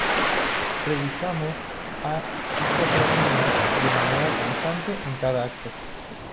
revisarnos a nosotras mismas de manera constante en cada acto